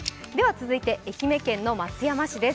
続いて愛媛県松山市です。